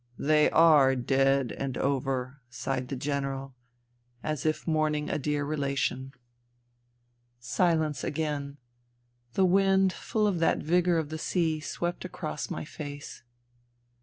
" They are dead and over," sighed the General, as if mourning a dear relation. NINA 233 Silence again. The wind full of that vigour of the sea swept across my face.